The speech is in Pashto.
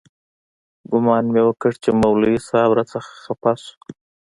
ګومان مې وکړ چې مولوي صاحب راڅخه خپه سو.